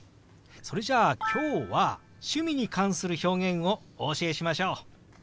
それじゃあ今日は趣味に関する表現をお教えしましょう！